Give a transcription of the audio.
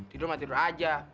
tidur mah tidur aja